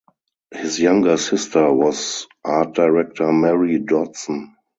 His younger sister was art director Mary Dodson.